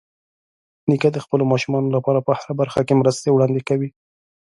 نیکه د خپلو ماشومانو لپاره په هره برخه کې مرستې وړاندې کوي.